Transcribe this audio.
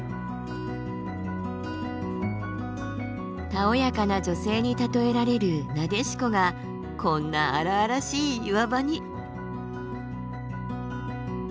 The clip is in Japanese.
たおやかな女性に例えられるナデシコがこんな荒々しい岩場に。